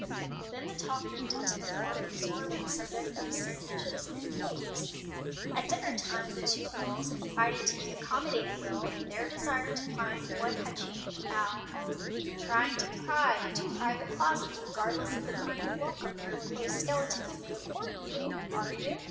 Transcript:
Then the talk drifted to the more absorbing subject of sandwiches and cakes. At dinner time the two girls confided to the accommodating Will their desire to find what had changed Al. "Trying to pry into private closets, regardless of the kind of welcome their enclosed skeletons may accord you, are you?"